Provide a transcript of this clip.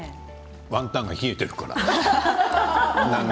ワンタンが冷えているから。